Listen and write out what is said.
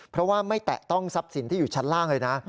เพราะว่าไม่แตะต้องทรัพย์สินที่อยู่ชั้นล่างเลยนะ